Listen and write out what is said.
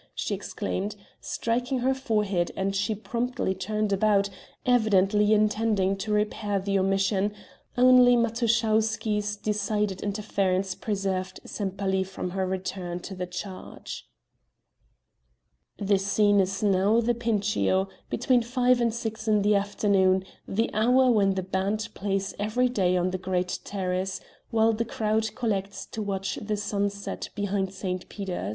she exclaimed, striking her forehead, and she promptly turned about, evidently intending to repair the omission; only Matuschowsky's decided interference preserved Sempaly from her return to the charge. The scene is now the Pincio between five and six in the afternoon, the hour when the band plays every day on the great terrace, while the crowd collects to watch the sun set behind St. Peter's.